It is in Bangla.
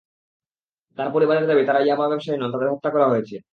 তবে পরিবারের দাবি, তাঁরা ইয়াবা ব্যবসায়ী নন, তাঁদের হত্যা করা হয়েছে।